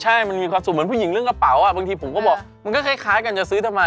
ใช่มันมีความสุขเหมือนผู้หญิงเรื่องกระเป๋าบางทีผมก็บอกมันก็คล้ายกันจะซื้อทำไม